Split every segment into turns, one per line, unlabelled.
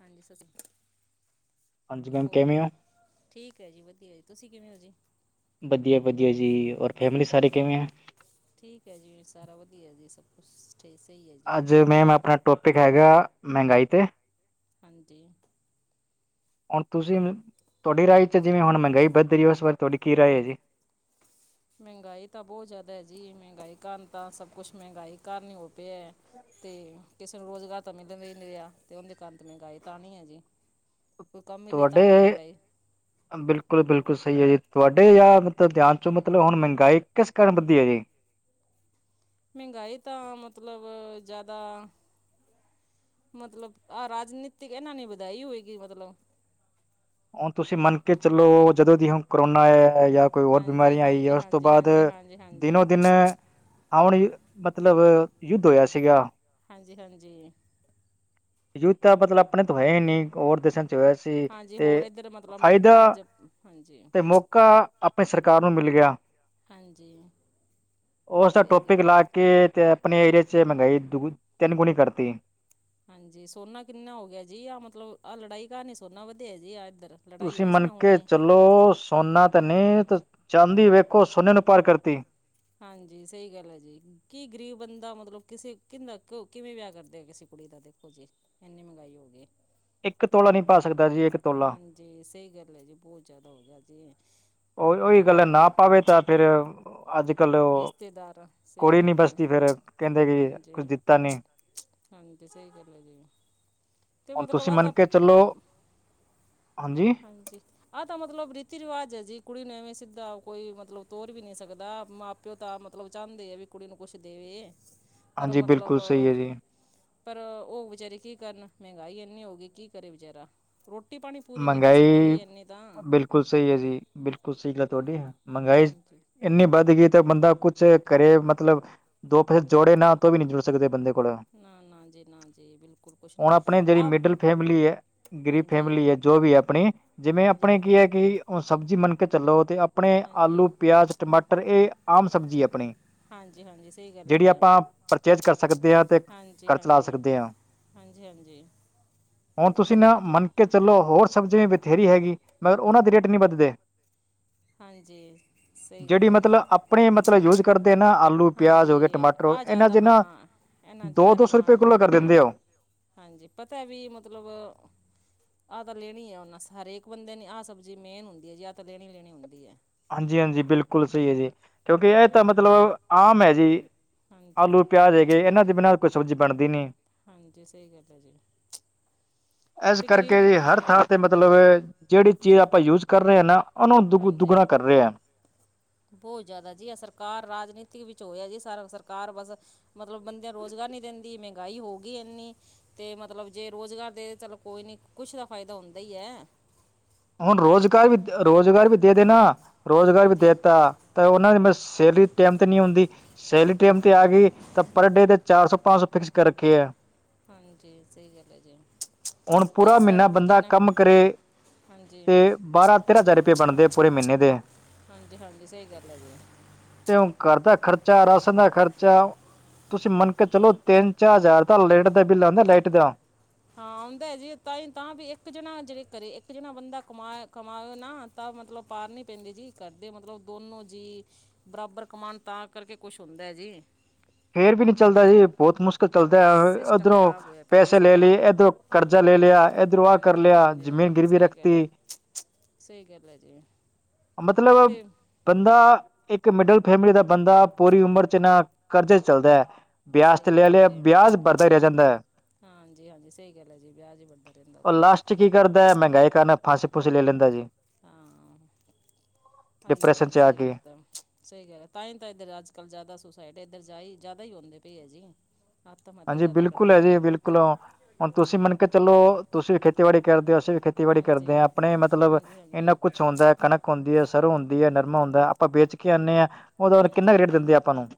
ਹਾਂਜੀ ਸਚੀ।
ਹਾਂਜੀ ਹੁਣ ਕਿਵੇਂ ਹੋ?
ਠੀਕ ਹੈ ਜੀ ਵਧੀਆ ਜੀ ਤੁਸੀਂ ਕਿਵੇਂ ਹੋ ਜੀ?
ਵਧੀਆ ਵਧੀਆ ਜੀ ਔਰ ਫੈਮਿਲੀ ਸਾਰੇ ਕਿਵੇਂ ਹੈ?
ਠੀਕ ਹੈ ਜੀ ਸਾਰਾ ਵਧੀਆ ਜੀ ਸਭ। ਉਸ ਸਹੀ ਹੈ। ਜੀ
ਅੱਜ ਮੈਮ
ਪਰ
ਆਪਣਾ ਟੋਪਿਕ ਹੈਗਾ ਮਹਿੰਗਾਈ ਤੇ।
ਹਾਂਜੀ।
[inaudible] ਹੁਣ ਤੁਸੀਂ ਤੁਹਾਡੀ ਰਾਏ ਚ ਜਿਵੇਂ ਹੁਣ ਮਹਿੰਗਾਈ ਵੱਧ ਰਹੀ ਹੋ ਉਸ ਬਾਰੇ ਤੁਹਾਡੀ ਕੀ ਰਾਏ ਹੈ ਜੀ।
ਮਹਿੰਗਾਈ ਤਾਂ ਬਹੁਤ ਜ਼ਿਆਦਾ ਹੈ ਜੀ ਮਹਿੰਗਾਈ ਕਾਰਨ ਤਾਂ ਸਭ ਕੁਛ ਮਹਿੰਗਾਈ ਕਾਰਨ ਹੀ ਹੋਤੇ ਹੈ। ਤੇ ਕਿਸੇ ਨੂੰ ਰੁਜ਼ਗਾਰ ਤਾਂ ਮਿਲ ਨਹੀਂ ਰਿਹਾ ਤੇ ਉਹਦੇ ਕਾਰਨ ਮਹਿੰਗਾਈ ਤਾ ਆਨੀ ਹੈ ਜੀ। ਕੋਈ ਕੰਮ ਮਿਲੇ
ਤੁਹਾਡੇ
ਤਾਂ ਵੀ ਮਹਿੰਗਾਈ
ਬਿਲਕੁਲ-ਬਿਲਕੁਲ ਸਹੀ ਐ ਜੀ ਤੁਹਾਡੇ ਜਾਂ ਧਿਆਨ ਚੋਂ ਮਤਲਬ ਹੁਣ ਮਹਿੰਗਾਈ ਕਿਸ ਕਾਰਨ ਵਧਦੀ ਐ ਜੀ।
ਮਹਿੰਗਾਈ ਤਾਂ ਮਤਲਬ ਜ਼ਿਆਦਾ ਮਤਲਬ ਆਹ ਰਾਜਨੀਤਿਕ ਇਹਨਾਂ ਨੇ ਵਧਾਈ ਹੋਏਗੀ ਮਤਲਬ।
ਹੁਣ ਤੁਸੀਂ ਮੰਨ ਕੇ ਚਲੋ ਜਦੋਂ ਜੀ ਹੁਣ ਕਰੋਨਾ ਆਇਆ ਯਾ ਕੋਈ ਹੋਰ
ਹਾਂਜੀ
ਬਿਮਾਰੀਆਂ ਆਈ
ਹਾਂਜੀ
ਆ ਉਸ ਤੋਂ
ਹਾਂਜੀ
ਬਾਅਦ
ਹਾਂਜੀ ਹਾਂਜੀ ਹਾਂਜੀ
ਦਿਨੋ-ਦਿਨ ਆਹ ਹੁਣੀ ਮਤਲਬ ਯੁੱਧ ਹੋਇਆ ਸੀਗਾ।
ਹਾਂਜੀ-ਹਾਂਜੀ।
ਯੂਧ ਤਾਂ ਬਦਲਾ ਆਪਣੇ ਤੋਂ ਹੈ ਨਹੀਂ ਹੋਰ ਦੇਸਾਂ ਚ ਹੋਇਆ ਸੀ।
ਜੀ
ਤੇ
ਹੋਰ ਇੱਧਰ ਮਤਲਬ
ਫਾਇਦਾ
ਅਮਰੀਕਾ ਜ ਹਾਂਜੀ।
ਤੇ ਮੌਕਾ ਆਪਣੀ ਸਰਕਾਰ ਨੂੰ ਮਿਲ ਗਿਆ।
ਹਾਂਜੀ।
ਉਸਦਾ
ਸਹੀ
ਟੋਪਿਕ
ਗੱਲ ਹੈ
ਲਾ
ਜੀ
ਕੇ ਤੇ ਆਪਣੇ ਏਰੀਏ ਚ ਮੰਗਾਈ ਦੂ ਤਿੰਨ ਗੁਣੀ ਕਰਤੀ।
ਹਾਂਜੀ ਸੋਨਾ ਕਿੰਨਾ ਹੋ ਗਿਆ ਜੀ ਆ ਮਤਲਬ ਆਹ ਲੜਾਈ ਕਾਰਨ ਨੀ ਸੋਨਾ ਵਧੀਆ ਜੀ ਆ ਇੱਧਰ। ਲੜਾਈ
ਤੁਸੀਂ
ਹੋਈ ਸੀ ਨਾ
ਮੰਨਕੇ
ਹੁਣੇ
ਚਲੋ ਸੋਨਾ ਤਾਂ ਨੇ ਚਾਂਦੀ ਵੇਖੋ ਸੋਨੇ ਨੂੰ ਪਾਰ ਕਰਤੀ।
ਹਾਂਜੀ ਸਹੀ ਗੱਲ ਐ ਜੀ ਕੀ ਗਰੀਬ ਬੰਦਾ ਮਤਲਬ ਕਿਸੇ ਕਿੰਦਾ ਕਿਵੇਂ ਵਿਆਹ ਕਰਦੇ ਆ ਕਿਸੇ ਕੁੜੀ ਦਾ ਦੇਖੋ ਜੀ ਏਨੀ ਮਹਿਗਾਈ ਹੋ ਗਈ ਏ।
ਇੱਕ ਤੋਲਾ ਨੀ ਪਾ ਸਕਦਾ ਜੀ ਇੱਕ ਤੋਲਾ।
ਜੀ ਸਹੀ ਗੱਲ ਐ ਜੀ ਬਹੁਤ ਜ਼ਿਆਦਾ ਹੋ ਗਿਆ ਜੀ।
ਉਹ-ਉਹੀ ਗੱਲ
ਮਹਿੰਗਾ
ਨਾ ਪਾਵੇ ਤਾਂ ਫਿਰ ਅੱਜ-ਕੱਲ
ਰਿਸ਼ਤੇਦਾਰ ਸਹੀ
ਕੁੜੀ ਨੀ
ਗੱਲ ਹੈ
ਬਸਦੀ ਫਿਰ ਕਹਿੰਦੇ ਕਿ
ਹਾਂਜੀ
ਕੁਰਜੀਤਾ ਨੇ।
ਹਾਂਜੀ ਸਹੀ ਗੱਲ ਐ ਜੀ। ਅਤੇ
ਹੁਣ
ਮਤਲਬ
ਤੁਸੀਂ
ਆਹ
ਮੰਨ
ਤਾਂ
ਕੇ ਚਲੋ ਹਾਂਜੀ।
ਹਾਂਜੀ। ਆਹ ਤਾਂ ਮਤਲਬ ਰੀਤੀ-ਰਿਵਾਜ਼ ਐ ਜੀ ਕੁੜੀ ਨੇ ਐਵੇਂ ਸਿੱਧਾ ਕੋਈ ਮਤਲਬ ਤੋਰ ਵੀ ਨੀ ਸਕਦਾ ਮਾਂ ਪਿਓ ਤਾਂ ਮਤਲਬ ਚਾਹੁੰਦੇ ਆ ਵੀ ਕੁੜੀ ਨੂੰ ਕੁਛ ਦੇਵੇ ਪਰ
ਹਾਂਜੀ
ਮਤਲਬ
ਬਿਲਕੁਲ ਸਹੀ ਹੈ ਜੀ
ਪਰ ਓ ਵਿਚਾਰੇ ਕੀ ਕਰਨ ਮਹਿੰਗਾਈ ਐੰਨੀ ਹੋ ਗਈ ਕੀ ਕਰੇ ਵਿਚਾਰਾ ਰੋਟੀ-ਪਾਣੀ ਪੂਰੀ ਨੀ
ਮਹਿੰਗਾਈ ਬਿਲਕੁਲ ਸਹੀ ਐ ਜੀ ਬਿਲਕੁਲ ਸਹੀ ਗੱਲ ਤੁਹਾਡੀ ਮਹਿੰਗਾਈ
ਹਾਂਜੀ
ਇੰਨੀ ਵੱਧ ਗਈ ਤਾਂ ਬੰਦਾ ਕੁਛ ਕਰੇ ਮਤਲਬ ਦੋ ਪੈਸੇ ਜੋੜੇ ਨਾ ਤੋਂ ਵੀ ਨਹੀਂ ਜੋੜ ਸਕਦੇ ਬੰਦੇ ਹੁਣ
ਨਾ ਨਾ ਜੀ ਨਾ ਜੀ ਬਿਲਕੁਲ ਕੁਛ ਨਹੀਂ
ਹੁਣ ਆਪਣੀ ਜਿਹੜੀ
ਆ
ਮਿਡਲ ਫੈਮਿਲੀ ਐ ਗਰੀਬ
ਹਾਂਜੀ
ਫੈਮਿਲੀ ਐ। ਜੋ ਵੀ ਐ ਆਪਣੇ ਜਿਵੇਂ
ਹਾਂਜੀ
ਆਪਣੇ ਕੀ
ਹਾਂਜੀ
ਐ ਕਿ ਓ ਸਬਜ਼ੀ ਮੰਨ ਕੇ ਚੱਲੋ ਤੇ ਆਪ ਆਪਣੇ
ਹਾਂਜੀ
ਆਲੂ, ਪਿਆਜ, ਟਮਾਟਰ ਏ ਆਮ ਸਬਜ਼ੀ ਆਪਣੀ।
ਹਾਂਜੀ ਹਾਂਜੀ ਸਹੀ ਗੱਲ ਹੈ
ਜਿਹੜੀ
ਜੀ
ਆਪਾਂ ਪਰਚੇਜ ਕਰ ਸਕਦੇ ਆਂ ਤੇ ਘਰ ਚ ਲਾ ਸਕਦੇ ਆਂ।
ਹਾਂਜੀ-ਹਾਂਜੀ।
ਹੁਣ ਤੁਸੀਂ ਨਾ ਮੰਨ ਕੇ ਚੱਲੋ ਹੋਰ ਸਬਜ਼ੀ ਵੀ ਬਥੇਰੀ ਹੈਗੀ ਮਗਰ ਉਹਨਾਂ ਦੇ ਰੇਟ ਨਹੀਂ ਵੱਧਦੇ।
ਹਾਂਜੀ
[inaudible]
ਸਹੀ ਗੱਲ
ਜਿਹੜੀ
ਹੈ ਜੀ
ਮਤਲਬ ਆਪਣੇ ਮਤਲਬ ਯੂਜ ਕਰਦੇ ਨਾ ਆਲੂ, ਪਿਆਜ਼
ਹਾਂਜੀ
ਹੋ ਗਏ, ਟਮਾ ਹੋਏ
ਆ
ਇਹਨਾਂ
ਜ਼ਿਆਦਾ
ਚ' ਨਾ
ਹਾਂ ਇਹਨਾਂ ਜ਼ਿਆਦਾ
ਦੋ-ਦੋ ਸੌ ਰੁਪਏ
ਡਿਮਾਂਡ
ਕਿੱਲੋ ਕਰ ਦਿੰਦੇ ਆ ਓ।
ਹਾਂਜੀ ਪਤਾ ਵੀ ਮਤਲਬ ਆਹ ਤਾਂ ਲੈਣੀ ਆ ਉਹਨਾਂ ਸਾ ਹਰੇਕ ਬੰਦੇ ਨੇ ਆਹ ਸਬਜ਼ੀ ਮੇਨ ਹੁੰਦੀ ਐ ਜੀ ਆਹ ਤਾਂ ਲੈਣੀ ਓ ਲੈਣੀ ਹੁੰਦੀ ਐ।
ਹਾਂਜੀ-ਹਾਂਜੀ ਬਿਲਕੁਲ ਸਹੀ ਐ ਜੀ ਕਿਉਂਕਿ ਇਹ ਤਾਂ ਮਤਲਬ ਆਮ ਐ ਜੀ।
ਹਾਂਜੀ
ਆਲੂ, ਪਿਆਜ ਹੈਗੇ ਇਹਨਾਂ ਦੇ ਬਿਨਾਂ ਕੋਈ ਸਬਜ਼ੀ ਬਣਦੀ ਨੀ।
ਹਾਂਜੀ ਸਹੀ ਗੱਲ ਐ ਜੀ
ਇਸ
ਤੇ
ਕਰਕੇ
ਗਰੀਬ
ਜੀ ਹਰ ਥਾਂ ਤੇ ਮਤਲਬ ਜਿਹੜੀ ਚੀਜ਼ ਆਪਾਂ ਯੂਜ ਕਰ ਰਹੇ ਆ ਨਾ ਉਹਨੂੰ ਦੁ
ਹਾਂਜੀ।
ਦੁੱਗਣਾ ਕਰ ਰਹੇ ਆ
ਬਹੁਤ ਜ਼ਿਆਦਾ ਜੀ ਆ ਸਰਕਾਰ ਰਾਜਨੀਤਿਕ ਵਿੱਚ ਹੋਇਆ ਜੀ ਸਾਰਾ ਸਰਕਾਰ ਬਸ ਮਤਲਬ ਬੰਦਿਆਂ ਰੋਜ਼ਗਾਰ ਨੀਂ ਦਿੰਦੀ ਮਹਿੰਗਾਈ ਹੋ ਗਈ ਐਨੀ। ਤੇ ਮਤਲਬ ਜੇ ਰੁਜ਼ਗਾਰ ਦੇ ਚੱਲ ਕੋਈ ਨੀ ਕੁਛ ਦਾ ਫ਼ਾਇਦਾ ਹੁੰਦਾ ਈ ਐ।
ਹੁਣ ਰੋਜ਼ਗਾਰ ਵੀ, ਰੋਜ਼ਗਾਰ ਵੀ ਦੇ ਦੇਨਾ, ਰੋਜ਼ਗਾਰ ਵੀ
ਹਾਂਜੀ
ਦੇਤਾ। ਤਾਂ ਉਹਨਾਂ ਦੀ ਮਸ, ਸੈਲਰੀ ਟੈਮ ਤੇ ਨੀ ਆਉਂਦੀ। ਸੈਲਰੀ ਟੈਮ ਤੇ ਆ ਗਈ ਤਾਂ ਪਰ ਡੇ ਤੇ ਚਾਰ ਸੌ-ਪੰਜ ਸੌ ਫਿਕਸ ਕਰ ਰੱਖੀ ਐ।
ਹਾਂਜੀ ਸਹੀ ਗੱਲ ਹੈ ਜੀ।
ਹੁਣ
ਤੇ
ਪੂਰਾ
ਆ
ਮਹੀਨਾ
ਸਿਲੰਡਰ
ਬੰਦਾ
ਕਿੰਨਾ
ਕੰਮ ਕਰੇ
ਹਾਂਜੀ
ਤੇ ਬਾਰਾਂ ਤੇਰਾਂ ਹਜ਼ਾਰ ਰੁਪਏ ਬਣਦੇ ਆ ਪੂਰੇ ਮਹੀਨੇ ਦੇ।
ਹਾਂਜੀ-ਹਾਂਜੀ ਸਹੀ ਗੱਲ ਹੈਗੀ ਏ।
ਤੇ ਔ ਘੱਰ ਦਾ ਖਰਚਾ, ਰਾਸ਼ਨ ਦਾ ਖਰਚਾ। ਤੁਸੀਂ ਮੰਨ ਕੇ ਚਲੋ ਤਿੰਨ-ਚਾਰ ਹਜ਼ਾਰ ਦਾ ਲੇਟ ਦਾ ਬਿੱਲ ਆਂਦਾ ਲਾਈਟ ਦਾ।
ਹਾਂ, ਆਉਂਦਾ ਐ ਜੀ ਤਾਂ ਹੀ ਤਾਂ ਬੀ ਇੱਕ ਜਣਾ ਜਿਵੇ ਕਰੇ ਇੱਕ ਜਣਾ ਬੰਦਾ ਕਮਾ ਕਮਾਵੇ ਨਾ ਤਾਂ ਮਤਲਬ ਪਾਰ ਨੀ ਪੈਂਦੀ ਜੀ, ਘਰਦੇ ਮਤਲਬ ਦੋਨੋਂ ਜੀ ਬਰਾਬਰ ਕਮਾਣ ਤਾਂ ਕਰਕੇ ਕੁਛ ਹੁੰਦੈ ਜੀ।
ਫੇਰ ਵੀ ਨੀ ਚੱਲਦਾ ਜੀ ਬੌਤ ਮੁਸ਼ਕ ਕ ਕਲਦੈ
ਸਿਸਟਮ
ਔਧਰੋਂ
ਖਰਾਬ ਹੋਇਆ ਪਿਆ ਜੀ
ਪੈਸੇ ਲੈ
ਸਾਰਾ
ਲੈਈਏ, ਏਧਰੋਂ ਕਰਜ਼ਾ ਲੈ ਲਿਆ, ਐਧਰੋਂ ਆ ਕਰ
ਹਾਂਜੀ
ਲਿਆ
ਹਾਂਜੀ
ਜ਼ਮੀਨ ਗਿਰਵੀ
ਸਹੀ ਗੱਲ ਹੈ
ਰੱਖਤੀ।
ਸਹੀ ਗੱਲ ਹੈ ਜੀ।
ਮਤਲਬ
ਅਤੇ
ਬੰਦਾ ਇੱਕ ਮਿਡਲ ਫੈਮਲੀ ਦਾ ਬੰਦਾ ਪੂਰੀ ਉਮਰ ਚ ਨਾਂ ਕਰਜ਼ੇ ਚ ਚੱਲਦੈ। ਬਿਆਜ
ਸਹੀ
ਤੇ ਲੈ ਲਿਆ ਬਿਆਜ ਭੜਦਾ ਹੀ ਰੈ ਜਾਂਦੈ।
ਹਾਂਜੀ-ਹਾਂਜੀ ਸਹੀ ਗੱਲ ਹੈ ਜੀ ਬਿਆਜ ਹੀ ਭਰਦਾ ਰਹਿੰਦਾ।
ਓਹ
ਤਾਂ
ਲਾਸਟ ਚ ਕੀ ਕਰਦੈ, ਮਹਿੰਗਾਈ ਕਾਰਣ ਫਾਂਸੀ-ਫੂਂਸੀ ਲੈ ਲੈਂਦਾ ਜੀ।
ਹਾਂ, ਆਈ ਆ
ਡਿਪਰੈਸ਼ਨ
ਜੀ
ਚ
ਸਹੀ
ਕੇ
ਬਾਤ ਆ। ਸਹੀ ਗੱਲ ਹੈ ਤਾਂ ਹੀ ਤਾਂ ਇੱਧਰ ਅੱਜ-ਕੱਲ੍ਹ ਜਿਆਦਾ ਸੁਸਾਇਡ ਏਧਰ ਜਿਆਦਾ ਹੀ ਹੂੰਦੀ ਪਈ ਐ ਜੀ। ਆਤਮ ਹੱਤਿਆ
ਹਾਂਜੀ
ਜਿਆਦਾ
ਬਿਲਕੁਲ
ਕਰਦੇ
ਹੈ
ਪਏ
ਜੀ
ਐ
ਬਿਲਕੁਲ
ਲੋਕੀ।
ਹੁਣ ਤੁਸੀਂ ਮੰਨ ਚਲੋ ਤੁਸੀਂ ਵੀ ਖੇਤੀਬਾੜੀ ਕਰਦੇ ਹੋ ਅਸੀਂ ਵੀ ਖੇਤ ਖੇਤੀਬਾੜੀ
ਹਾਂਜੀ
ਕਰਦੇ ਹਾ ਅਪਣੇ ਮਤਲਬ
ਹਾਂਜੀ
ਏਨਾ
ਹਾਂਜੀ
ਕੁਛ ਹੁੰਦਾ ਕਣਕ ਹੁੰਦੀ ਏ ਸਰੋਂ ਹੁੰਦੀ ਏ ਨਰਮਾ ਹੁੰਦੈ ਅਪਾਂ ਵੇਚ ਕੇ ਆਣੇ ਆਂ ਓਹਦਾ ਕਿੰਨਾ ਕੁ
ਹਾਂਜੀ
ਰੇਟ ਦਿੰਦੇ ਆ ਅਪਾਂ ਨੂੰ।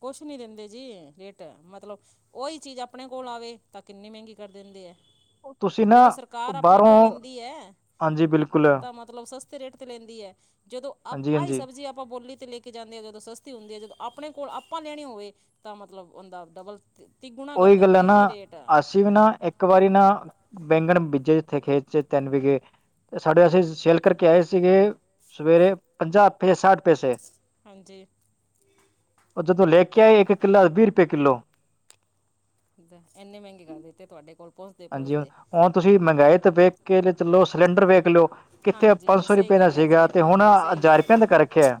ਕੁਛ ਨੀ ਦਿੰਦੇ ਜੀ ਰੇਟ ਮਤਲਬ ਓਹੀ ਚੀਜ਼ ਅਪਣੇ ਕੋਲ ਆਵੇ ਤਾਂ ਕਿੰਨੀ ਮਹਿੰਗੀ ਕਰ ਦਿੰਦੇ ਐ।
ਤੁਸੀਂ ਨਾ
ਜਦੋਂ ਸਰਕਾਰ ਆਪਣੇ
ਬਾਹਰੋਂ
ਕੋਲ ਲੈਂਦੀ ਐ‌।
ਹਾਂਜੀ ਬਿਲਕੁਲ
ਤਾਂ ਮਤਲਬ ਸਸਤੇ ਰੇਟ ਤੇ ਲੇਂਦੀ ਐ ਜਦੋਂ ਅਪ
ਹਾਂਜੀ
ਆਈ
ਹਾਂਜੀ
ਸਬਜ਼ੀ ਅਪਾਂ ਬੋਲੀ ਤੇ ਲੈ ਕੇ ਜਾਂਦੇ ਆ ਅਗਰ ਜੋ ਸਸਤੀ ਹੁੰਦੀ ਏ ਜਦੋਂ ਅਪਣੇ ਕੋਲ ਆਪਾਂ ਲੈਣੀ ਹੋਵੇ ਤਾਂ ਮਤਲਬ ਔੰਦਾ ਡਬਲ ਤੀਗੁਣਾ ਕਰ
ਉਹੀ ਗੱਲ
ਦਿੰਦੀ
ਹੈ
ਐ
ਨਾ
ਜੀ ਰੇਟ।
ਅਸੀਂ ਵੀ ਨਾ ਇੱਕ ਵਾਰੀ ਨਾ ਬੈਂਗਣ ਬੀਜੇ ਜਿੱਥੇ ਖੇਤ ਚ ਤਿੰਨ ਵੀਗੇ ਸਾਡੇ ਅਸੀਂ ਸੇਲ ਕਰਕੇ ਆਏ ਸੀਗੇ ਸਵੇਰੇ ਪੰਜਾਹ ਹਪੇ ਸਠ ਪੈਸੇ।
ਹਾਂਜੀ।
ਓਹ ਜਦੋਂ ਲੈ ਕੇ ਆਏ ਇੱਕ ਕਿੱਲਾ ਵੀਹ ਰੁਪਏ ਕਿੱਲੋ।
ਇੰਨੇ ਮਹਿੰਗੇ ਕਰ ਦਿੱਤੇ ਤੁਹਾਡੇ ਕੋਲ ਪਹੁੰਚਦੇ
ਹਾਂਜੀ, ਔ
ਪਹੁੰਚਦੇ
ਔਣ ਤੁਸੀਂ ਮਹਿੰੰਗਾਈ ਤੇ ਵੇਖ ਕੇ ਜੇ ਚੱਲੋ ਸਿਲੰਡਰ ਵੇਖ ਲੋ ਕਿੱਥੇ ਪੰਜ
ਹਾਂਜੀ
ਸੌ
ਸਹੀ
ਰੁਪਏ ਦਾ
ਗੱਲ ਹੈ
ਸੀਗਾ
ਜੀ
ਤੇ ਹੁਣ
ਹਾਂਜੀ ਸਹੀ ਗੱਲ
ਹਜ਼ਾਰ
ਹੈ
ਰੁਪਏ
ਜੀ
ਦਾ ਕਰ ਰੱਖਿਐ।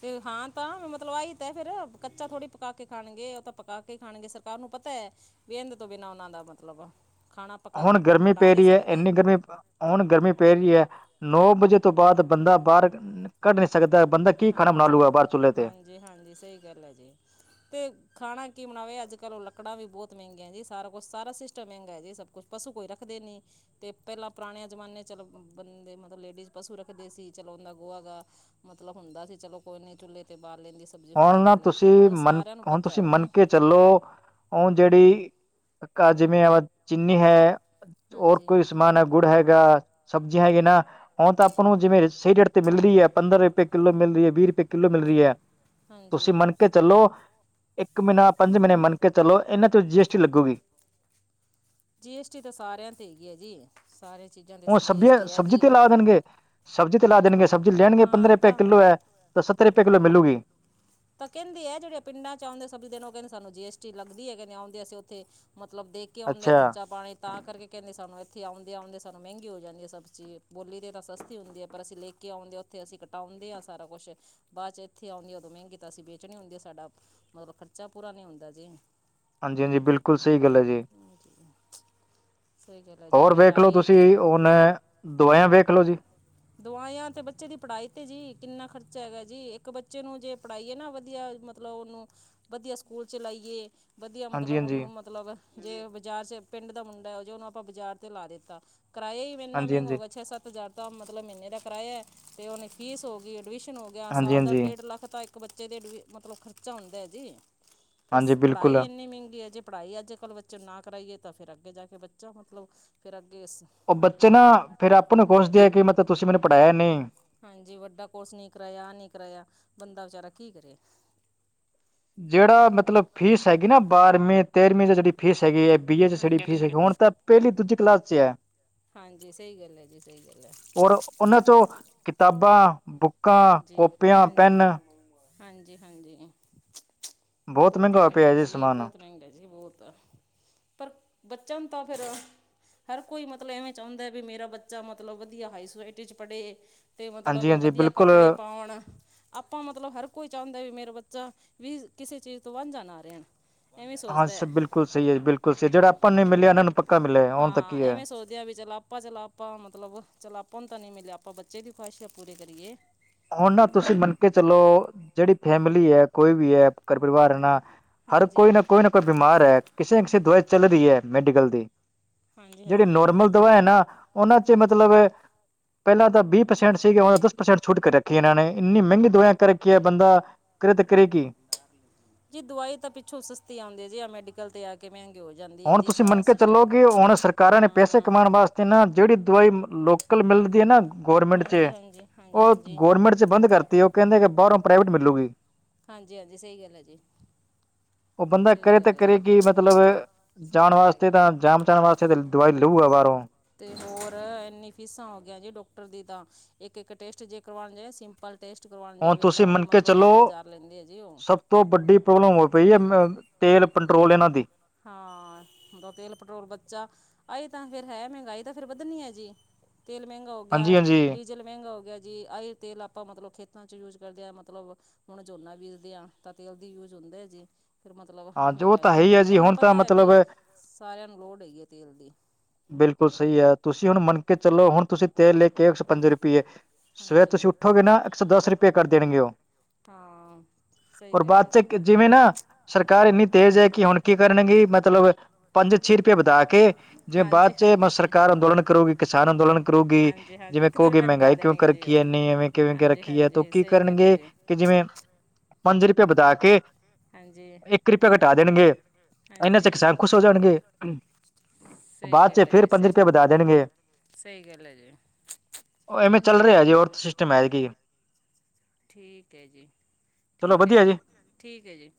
ਤੇ ਹਾਂ ਤਾਂ ਮਤਲਬ ਆਹੀ ਤਾਂ ਫੇਰ ਕੱਚਾ ਥੋੜ੍ਹੀ ਪਕਾ ਕੇ ਖਾਣਗੇ, ਓਹ ਤਾਂ ਪਕਾ ਕੇ ਖਾਣਗੇ ਸਰਕਾਰ ਨੂੰ ਪਤੈ। ਬੇਂਦ ਤੋਂ ਬਿਨਾਂ ਉਨਾਂ ਦਾ ਮਤਲਬ ਖਾਣਾ ਪਕਾ
ਹੁਣ ਗਰਮੀ
ਬਣਾ
ਪੇ
ਨਹੀਂ
ਰੀ ਐ,
ਸਕਦੇ
ਐਨੀ ਗਰਮੀ ਹੁਣ ਗਰਮੀ ਪੇ ਰੀ ਐ ਨੌ ਵਜੇ ਤੋਂ ਬਾਦ ਬੰਦਾ ਬਾਰ ਕੱਢ ਨੀ ਸਕਦਾ। ਬੰਦਾ ਕੀ ਖਾਣਾ ਬਨਾ ਲੂਗਾ ਬਾਰ ਚੁਲੇ ਤੇ
ਜੀ, ਹਾਂਜੀ ਸਹੀ ਗੱਲ ਹੈ ਜੀ। ਤੇ ਖਾਣਾ ਕੀ ਬਣਾਵੇ ਅੱਜ-ਕਲ੍ਹ ਓਹ ਲੱਕੜਾਂ ਵੀ ਬੌਤ ਮਹਿੰਗੀਆਂ ਐਂ ਜੀ ਸਾਰਾ ਕੁਛ ਸਾਰਾ ਸਿਸਟਮ ਮਹਿੰਗਾ ਜੀ ਸਭ ਕੁਛ ਪਸੂ ਕੋਈ ਰੱਖਦੇ ਨੀ। ਤੇ ਪਹਿਲਾਂ ਪੁਰਾਣੇਆ ਜਮਾਨੇਆ ਚਲੋ ਬੰਦੇ ਮਤਲਬ ਲੇਡੀਜ਼ ਪਸੂ ਰੱਖਦੇ ਸੀ ਚਲੋ ਔੰਦਾ ਗੋਹਾ ਗਾ ਮਤਲਬ ਹੁੰਦਾ ਸੀ ਚਲੋ ਕੋਈ ਨੀ ਚੁੱਲ੍ਹੇ ਤੇ ਬਾਲ ਲੈਂਦੀ ਸੀ- ਕਬਜ਼ੀ
ਹੁਣ
ਫੁਬਜ਼ੀ
ਨਾ
ਕਰ ਲਏ ਹੁਣ ਸਾਰਿਆਂ ਨੂੰ ਪਤੈ ਓ ਨਾ
ਚਲੋ, ਔੰ ਜੇੜੀ ਘਰ ਜਿੰਮੇਵਾਰੀ ਜਿਨੀ ਹੈ। ਹੋਰ
ਹਾਂਜੀ
ਕੋਈ ਸਮਾਨ ਹੈ ਗੁੜ ਹੈਗਾ, ਸਬਜ਼ੀਆਂ ਹੈਗੀ ਨਾ। ਹੁਣ ਤਾਂ ਆਪਾਂ ਨੂੰ ਜਿਵੇਂ ਰੀ ਸਹੀ ਰੇਟ ਤੇ ਮਿਲ ਰੀ ਐ ਪੰਦਰਾਂ ਰੁਪਏ ਕਿੱਲੋ ਮਿਲ ਰਹੀ ਐ ਵੀਹ ਰੁਪਏ ਕਿੱਲੋ ਮਿਲ ਰੀ ਐ। ਤੁਸੀਂ
ਹਾਂਜੀ
ਮੰਨਕੇ ਚੱਲੋ ਇੱਕ ਮੀਨਾ, ਪੰਜ ਮੀਨੇ ਮੰਨ ਕੇ ਚੱਲੋ ਇਨਾਂ ਤੋਂ ਜੀ ਐੱਸ ਟੀ ਲੱਗੂਗੀ।
ਜੀ ਐਸ ਟੀ ਤਾਂ ਸਾਰਿਆਂ 'ਤੇ ਹੈਗੀ ਏ ਜੀ। ਸਾਰੇ ਚੀਜ਼ਾਂ- 'ਤੇ
ਹੁਣ
ਜੀ ਐਸ ਟੀ ਹੈ
ਸਬਬੀਆਂ-ਸਬਜ਼ੀ
ਜੀ
ਤੇ ਲਾ ਦੇਣਗੇ, ਸਬਜ਼ੀ ਤੇ ਲਾ ਦੇਣਗੇ, ਸਬਜ਼ੀ ਲੈਣਗੇ
ਹਾਂ
ਪੰਦਰਾਂ ਰੁਪਏ
ਤਾਂ
ਕਿੱਲੋ ਐ। ਤਾਂ ਸੱਤਰੇ ਰੁਪਏ ਕਿਲੋ ਮਿਲੂਗੀ।
ਤਾਂ ਕਹਿੰਦੇ ਹੈ ਜੇੜੇ ਪਿੰਡ 'ਚ ਆਂਦੇ ਐ ਸਬਜ਼ੀ ਦੇਣ ਓ ਕੇਂਦੇ ਸਾਨੂੰ ਜੀ ਐੱਸ ਟੀ ਲੱਗਦੀ ਐਗੀ ਆਉਦੇ ਅਸੀਂ ਓਥੇ, ਮਤਲਬ ਦੇ ਕੇ ਆਉਂਦੇ
ਅੱਛਾ
ਖਰਚਾ ਪਾਣੀ। ਤਾਂ ਕਰਕੇ ਕੇਂਦੇ ਸਾਨੂੰ ਇੱਥੇ ਆਉਂਦਿਆ-ਆਉਂਦਿਆ ਸਾਨੂੰ ਮੈਂਗੀ ਹੋ ਜਾਂਦੀ ਏ ਸਬਜ਼ੀ। ਬੋਲੀ ਦੀ ਤਾਂ ਸਸਤੀ ਹੁੰਦੀ ਐ ਪਰ ਅਸੀਂ ਲਖ- ਆਉਂਦੇ ਆ ਓਥੇ ਅਸੀਂ ਕਟਾਉਂਦੇ ਆ ਸਾਰਾ ਕੁਛ। ਬਾਅਦ 'ਚ ਇੱਥੇ ਆਉਂਦੀ ਉਦੋਂ ਮਹਿੰਗੀ ਤਾਂ ਅਸੀਂ ਵੇਚਣੇ ਹੁੰਦੀ ਆ, ਸਾਡਾ ਮਤਲਬ ਖਰਚਾ ਪੂਰਾ ਨੀ ਹੁੰਦਾ ਜੇ।
ਹਾਂਜੀ-ਹਾਂਜੀ, ਬਿਲਕੁਲ ਸਈ ਗੱਲ ਆ ਜੀ।
[unintelligible] ਸਈ ਗੱਲ ਐ।
ਹੋਰ ਵੇਖ ਲੋ, ਤੁਸੀਂ ਹੁਨ ਐ ਦੋਆਯਾ ਵੇਖ ਲਓ ਜੀ।
ਦੋਆਯਾ ਤੇ ਬੱਚੇ ਦੀ ਪੜ੍ਹਾਈ 'ਤੇ ਜੀ ਕਿੰਨਾ ਖਰਚਾ ਹੈਗਾ ਜ, ਇੱਕ ਬੱਚੇ ਨੂੰ ਜੇ- ਪੜ੍ਹਾਈਏ ਨਾ ਵਧੀਆ ਮਤਲਬ ਉਨੂੰ ਵਧੀਆ ਸਕੂਲ ਚ'ਲਾਈਏ ਵਧੀਆ
ਹਾਂਜੀ
ਮਤਲਬ
ਹਾਂਜੀ
ਉਨੂੰ ਮਤਲਬ ਜੇ ਬਾਜ਼ਾਰ 'ਚ ਪਿੰਡ ਦਾ ਮੁੰਡਾ ਜੋ ਉਨੂੰ ਆਪਾਂ ਬਜ਼ਾਰ ਤੇ ਲਾ ਦਿੱਤਾ, ਕਰਇਆ ਹੀ ਏਨਾ
ਹਾਂਜੀ
ਮੈਂਗਾ
ਹਾਂਜੀ
ਹੋਗਾ ਛੇ-ਸੱਤ ਪੰਜਾਹ ਦਾ ਮਤਲਬ ਮਹੀਨੇ ਦਾ ਕਰਾਇਆ, ਤੇ ਹੁਣ ਫੀਸ ਹੋ ਗਈ, ਐਡਮਿਸ਼ਨ ਹੋ ਗਿਆ,
ਹਾਂਜੀ
ਸਾਲ ਦਾ
ਹਾਂਜੀ
ਡੇਢ ਲੱਖ ਤੱਕ ਇੱਕ ਬੱਚੇ ਦੇ ਐਡ ਮਤਲਬ ਖਰਚਾ ਹੁੰਦਾ ਜੀ। ਫਿਰ
ਹਾਂਜੀ
ਪੜ੍ਹਾਈ
ਬਿਲਕੁਲ
ਏਨੀ ਮੈਂਗੀ ਏ, ਜੇ ਪੜ੍ਹਾਈ ਅੱਜ-ਕੱਲ੍ਹ ਬੱਚੇ ਨੂੰ ਨਾ ਕਰਾਈਏ ਤਾਂ ਫਿਰ ਅੱਗੇ ਜਾ ਕੇ ਬੱਚਾ ਮਤਲਬ ਫਿਰ ਅੱਗੇ-
ਓ ਬੱਚੇ ਨਾ ਫੇਰ ਆਪਾਂ ਨੂੰ ਕੋਸਦੇ ਆ ਕਿ ਮਤਲਬ ਕੀ ਤੁਸੀਂ ਮੈਨੂੰ ਪੜ੍ਹਾਇਆ ਨੀ।
ਹਾਂਜੀ, ਵੱਡਾ ਕੋਰਸ ਨੀ ਕਰਾਇਆ ਆ ਨੀ ਕਰਾਇਆ ਬੰਦਾ ਵਚਾਰਾ ਕੀ ਕਰੇ।
ਜੇੜਾ ਮਤਲਬ ਫੀਸ ਹੈਗੀ ਨਾ ਬਾਰਵੀਂ, ਤੇਰਵੀਂ ਦੀ ਜੇੜੀ ਫੀਸ ਹੈਗੀ ਐ ਬੀ ਏ ਚ ਸਟਡੀ ਏ
ਹਾਂਜੀ
ਚ ਅਕਾਊਂਟ ਹੁਣ ਤਾਂ ਪੇਲੀ-ਦੂਜੀ ਕਲਾਸ ਚ' ਐ।
ਹਾਂਜੀ, ਸਈ ਗੱਲ ਐ ਜੀ-ਸਈ ਗੱਲ ਐ।
ਉਨਾਂ ਚੋਂ ਕਿਤਾਬਾਂ, ਬੁੱਕ
ਹਾਂਜੀ-ਹਾਂਜੀ-ਹਾਂਜੀ-ਹਾਂਜੀ।
ਬਹੁਤ
ਬੋਤ
ਮਹਿੰਗਾ ਹੋਇਆ
ਮੈਂਗਾ
ਪਿਆ ਜੀ ਸਮਾਨ
ਜੀ-ਬੋਤ ਮੈਂਗਾ ਜੀ ਬੋਹਤ ਪਰ ਬਚਨ ਤਾਂ ਫਿਰ ਹਰ ਕੋਈ ਮਤਲਬ ਐਵੇਂ ਚਾਉਂਦਾ ਵੀ ਮੇਰਾ ਬੱਚਾ ਮਤਲਬ ਵਧੀਆ ਹਾਈ ਸੁਸਾਇਟੀ -ਚ ਪੜ੍ਹੇ। ਤੇ ਮਤਲਬ
ਹਾਂਜੀ ਹਾਂਜੀ
ਵਧੀਆ
ਬਿਲਕੁਲ
ਕੱਪੜੇ ਪਾਣ। ਆਪਾਂ ਮਤਲਬ ਹਰ ਕੋਈ ਚਾਉਂਦਾ ਏ, ਮੇਰਾ ਬੱਚਾ ਵੀ ਕਿਸੇ ਚੀਜ਼ ਤੋਂ ਵਾਂਝਾ ਨਾ ਰਹਿਣ। ਐਵੇਂ ਸੋਚਦਾ ਹੈ
ਆਛਾ-ਬਿਲਕੁਲ ਸਈ ਐ ਈ- ਬਿਲਕੁਲ ਸਈ, ਜੇੜਾ ਆਪਾਂ ਨੂੰ ਨਈ ਮਿਲਿਆ ਇਨਾਂ ਨੂੰ ਪੱਕਾ ਮਿਲਿਆ ਹੁਣ ਤਕ
ਹਾਂ
ਕੀ ਐ।
ਐਵੇਂ ਸੋਚਦੇ ਵੀ ਚਲ ਆਪਾਂ-ਚਲਾ-ਆਪਾਂ ਮਤਲਬ -ਚਲ ਆਪਾਂ ਨੂੰ ਤਾਂ ਨਈ ਮਿਲਿਆ ਆਪਾਂ ਬੱਚੇ ਦੀ ਖਵਾਹਿਸ਼ਾਂ ਪੂਰੀ ਕਰੀਏ।
ਹੁਣ ਨਾ ਤੁਸੀਂ ਮੰਨ ਕੇ ਚਲੋ ਜੇੜੀ ਫੈਮਿਲੀ ਐ ਕੋਈ ਵੀ ਐ ਘਰ ਪਰਿਵਾਰ ਐ ਨਾ- ਹਰ
ਹਾਂਜੀ
ਕੋਈ ਨਾ-ਕੋਈ ਨਾ ਕੋਈ-ਬਿਮਾਰ ਐ। ਕਿਸੇ ਨਾ ਕਿਸੇ ਦੀ ਦਵਾਈ ਚੱਲ ਰੀ ਏ ਮੈਡੀਕਲ ਦੀ।
ਹਾਂਜੀ
ਜੇੜੀ
ਹਾਂਜੀ
ਨੋਰਮਲ ਦਵਾ ਐ ਨਾ ਉਨਾਂ 'ਚ
ਹਾਂਜੀ
ਮਤਲਬ ਇਹ- ਪੈਲਾਂ ਤਾਂ ਬੀ ਪ੍ਰਸੈਂਟ ਸੀਗੇ ਹੁਣ ਦਸ ਪ੍ਰਸੈਂਟ ਛੁੱਟ ਕੇ ਰੱਖੀ ਇਨਾਂ ਨੇ ਏਨੀ ਮੈਂਗੀ ਦਵਾਈਆਂ ਕਰ ਕੀ ਐ ਬੰਦਾ ਕਰੇ ਤੇ ਕਰੇ ਕੀ?
ਜੀ ਦਵਾਈ ਤਾਂ ਪਿੱਛੋਂ ਸਸਤੀ ਆਂਦੀ ਜੇ ਆ ਮੈਡੀਕਲ ਤੇ ਆ ਕੇ ਮਹਿੰਗੀ ਹੋ ਜਾਂਦੀ ਹੈ
ਹੁਣ
ਜੀ
ਤੁਸੀਂ
ਸਾਰਾ
ਮੰਨਕੇ ਚੱਲੋ,
ਸਿਸਟਮ
ਕਿ ਹੁਣ ਸਰਕਾਰਾਂ ਨੇ ਪੈਸੇ
ਹਾਂ
ਕਮਾਣ ਵਾਸਤੇ ਨਾ ਜੇੜੀ ਦਵਾਈ ਲੋਕਲ ਮਿਲ ਗਏ ਨਾ ਗੌਰਮੈਂਟ ਚ
ਹਾਂਜੀ ਹਾਂਜੀ ਹਾਂਜੀ
ਓ
ਹਾਂਜੀ
ਗੌਰਮੈਂਟ ਵਿਚ ਬੰਦ ਕਰਤੀ ਓ ਕੇਂਦੇ ਕਿ ਬਾਰੋਂ ਪ੍ਰਾਈਵੇਟ ਮਿਲੂਗੀ।
ਹਾਂਜੀ -ਹਾਂਜੀ, ਸਈ ਗੱਲ ਐ ਜੀ।
ਓ ਬੰਦਾ
ਸਹੀ
ਕਰੇ ਤੇ
ਗੱਲ ਹੈ ਜੀ
ਕਰੇ ਕਿ ਮਤਲਬ ਐ
ਸਹੀ
ਜਾਣ
ਗੱਲ ਹੈ
ਵਾਸਤੇ
ਜੀ
ਤਾਂ ਜਾਣ ਬਚਾਣ ਵਾਸਤੇ ਤੇ ਦਵਾਈ ਲਊਗਾ ਬਾਰੋਂ।
ਤੇ ਹੋਰ, ਏਨੀ ਫੀਸਾਂ ਹੋ ਗਈਆਂ, ਜੇ ਡੋਕਟਰ ਦੀ ਤਾਂ। ਇੱਕ- ਇੱਕ, ਟੈਸਟ ਜੇ ਕਰਵਾਣਦੇ ਵੇ, ਸਿੰਪਲ ਟੈਸਟ ਕਰਵਾਣ
ਹੁਣ
ਜਾਵੇ
ਤੁਸੀਂ
ਤਾਂ ਵੀ, ਮਤਲਬ ਦਸ -ਦਸ ਹਜ਼ਾਰ, ਲੈਂਦੇ ਜੇ ਓ।
ਬਹੁ ਵੱਡੀ ਪੋਬਲਮ ਹੋ, ਪਈ ਹੈ। ਤੇਲ ਪੰਟਰੋਲ ਇਨਾਂ ਦੀ।
ਹਾਂ। ਔਦਾ ਤੇਲ, ਪੈਟਰੋਲ ਬੱਚਾ- ਆਏ ਤਾਂ ਫੇਰ ਹੈ, ਮੈਗਾਈ ਤਾਂ ਫੇਰ, ਵੱਧਣੀ ਐ ਜੀ। ਤੇਲ ਮੈਂਗਾ ਹੋ
ਹਾਂਜੀ
ਗਿਆ।
ਹਾਂਜੀ
ਡੀ- ਜਲ ਮੈਂਗਾ ਹੋ ਗਿਆ ਜੀ। ਆਈ ਤੇਲ ਆਪਾਂ, ਮਤਲਬ ਖੇਤਾਂ ਚ, ਯੂਜ ਕਰਦੇ ਆਂ। ਮਤਲਬ ਹੁਣ ਝੋਨਾ ਬੀਜਦੇ ਆ। ਤਾਂ ਤੇਲ ਦੀ ਯੂਜ ਹੁੰਦੇ ਜੇ। ਫੇਰ ਮਤਲਬ,
ਹਾਂ ਜੋ
ਮੈਗਾਈ
ਹੈ
ਤਾਂ
ਹੀ ਹੈ
ਹੋਣੀ।
ਜੀ
ਹੁਣ
ਤਾਂ
ਪਤਾ ਐ
ਮਤਲਬ
ਵੀ, ਸਾਰਿਆਂ ਨੂੰ ਲੋੜ ਹੈਗੀ ਐ। ਤੇਲ ਦੀ।
ਬਿਲਕੁਲ ਸਈ ਐ। ਤੁਸੀਂ ਹੁਣ ਮੰਨਕੇ ਚਲੋ, ਹੁਣ ਤੁਸੀਂ ਤੇਲ ਲੈ ਕੇ ਅਏ। ਇਕ ਸੋ, ਪੰਜ ਰੁਪਈਏ। ਸਵੇਰ
ਹਾਂਜੀ
ਤੁਸੀਂ ਉੱਠੋਗੇ ਨਾ। ਇੱਕ ਸੌ ਦਸ, ਰੁਪਏ ਕਰ ਦੇਣਗੇ ਓ।
ਹਾਂ। ਸਈ ਗੱਲ ਐ ਜੀ।
ਚ
ਤੁਆਡੀ।
ਜਿਵੇਂ ਨਾ ਸਰਕਾਰ ਇੰਨੀ ਤੇਜ਼ ਐ। ਕੀ ਹੁਣ ਕੀ ਕਰਨਗੀ, ਮਤਲਬ ਪੰਜ, ਛੇ ਰੁਪਏ ਵਧਾ ਕੇ- ਜਿਵੇਂ ਬਾਦ
ਹਾਂਜੀ
ਚ,
ਹਾਂਜੀ
ਸਰਕਾਰ ਅੰਦੋਲਨ ਕਰੂਗੀ, ਕਿਸਾਨ ਅੰਦੋਲਨ ਕਰੂਗੀ।
ਹਾਂਜੀ ਹਾਂਜੀ
ਜਿਵੇਂ
ਇੱਕ ਦੋ
ਕਓਗੀ
ਰੁਪਇਆ ਘਟਾ
ਮਹਿੰਗਾਈ ਕਿਉਂ, ਕਰ
ਦੇਣਗੇ ਜੀ
ਰਖੀ
ਉਹ
ਏਨੀ। ਐਵੇਂ- ਕਿਵੇਂ ਕੇ
ਹਾਂਜੀ
ਰੱਖੀਏ। ਤੋ ਓ
ਹਾਂਜੀ
ਕੀ
ਸਹੀ ਗੱਲ ਹੈ
ਕਰਨਗੇ,
ਜੀ
ਕਿ ਜਿਵੇਂ ਪੰਜ ਰੁਪਏ ਵਧਾ ਕੇ-
ਹਾਂਜੀ-
ਇੱਕ ਰੁਪਇਆ ਘਟਾ ਦੇਣਗੇ
[inaudible]
ਇਹਨਾਂ ਚ
ਹਾਂਜੀ
ਕਿਸਾਨ ਖੁਸ਼ ਹੋ ਜਾਣਗੇ
ਸਈ
ਬਾਅਦ ਚ
ਗੱਲ ਐ
ਫਿਰ
ਜੀ।
ਪੰਜ
ਸਈ,
ਰੁਪਏ ਵਧਾ ਦੇਣਗੇ
ਸਈ ਗੱਲ ਐ ਜੀ।
ਓ ਐਵੇਂ ਚੱਲ ਰਿਆ ਜੀ। ਔਰ ਸਿਸਟਮ ਹੈ ਕੀ।
ਠੀਕ ਐ ਜੀ।
ਚਲੋ
ਠੀਕ ਐ
ਵਧੀਆ
ਜੀ। ਠੀਕ ਏ ਜੀ।